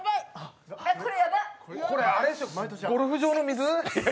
ゴルフ場の水？